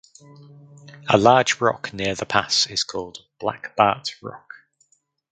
A large rock near the pass is called Black Bart Rock.